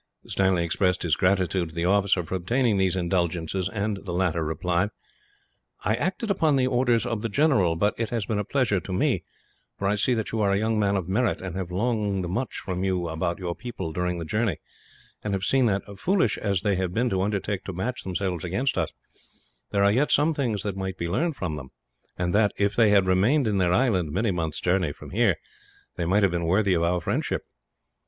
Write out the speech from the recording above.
Stanley expressed his gratitude to the officer for obtaining these indulgences, and the latter replied: "I acted upon the orders of the general, but it has been a pleasure to me; for I see that you are a young man of merit, and I have learned much from you about your people during the journey; and have seen that, foolish as they have been to undertake to match themselves against us, there are yet some things that might be learned from them; and that, if they had remained in their island, many months' journey away from here, they might have been worthy of our friendship."